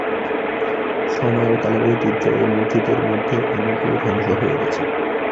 সময়ের ও কালের ঐতিহ্য এ মসজিদের মধ্যে অনেকগুলো ধ্বংস হয়ে গেছে।